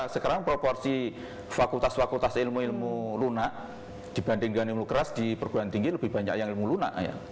sekarang proporsi fakultas fakultas ilmu ilmu lunak dibanding dengan ilmu keras di perguruan tinggi lebih banyak yang ilmu lunak